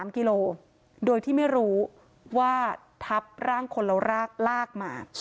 ๓กิโลโดยที่ไม่รู้ว่าทับร่างคนเรารากลากมา